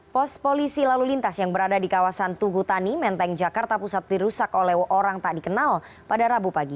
pos polisi lalu lintas yang berada di kawasan tugutani menteng jakarta pusat dirusak oleh orang tak dikenal pada rabu pagi